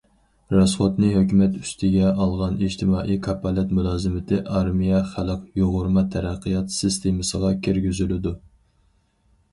راسخوتىنى ھۆكۈمەت ئۈستىگە ئالغان ئىجتىمائىي كاپالەت مۇلازىمىتى ئارمىيە خەلق يۇغۇرما تەرەققىيات سىستېمىسىغا كىرگۈزۈلىدۇ.